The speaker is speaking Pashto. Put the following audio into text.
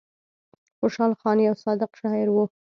خوشال خان يو صادق شاعر وو ـ